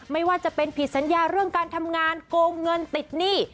ไม่ว่าจะเป็นผิดสัญญาเรื่องการทำงานโกงเงินติดหนี้